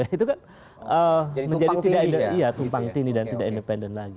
itu kan menjadi tumpang tini dan tidak independen lagi